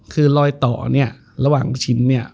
คือรอยต่อเนี่ยระหว่างลูกชิ้นเนี่ย